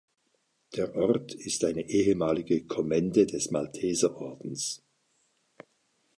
Der Ort ist eine ehemalige Kommende des Malteserordens.